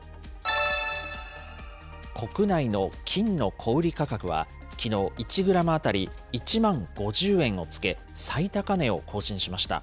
国内の金の小売り価格は、きのう１グラム当たり１万５０円をつけ、最高値を更新しました。